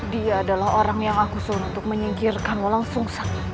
dia adalah orang yang aku suruh untuk menyingkirkanmu langsung saja